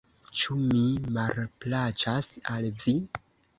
Ĉu mi malplaĉas al vi?